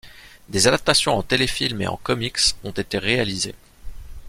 Des adaptations en téléfilm et en comics en ont été réalisées.